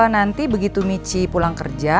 nanti begitu michi pulang kerja